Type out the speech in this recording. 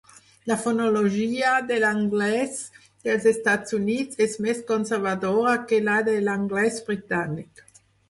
La fonologia de l'anglès dels Estats Units és més conservadora que la de l'anglès britànic.